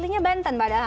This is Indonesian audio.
pibotnya anggi itu medan